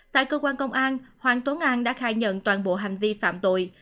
tại cơ quan công an hoàng tuấn an đã khai nhận toàn bộ hành vi phạm tội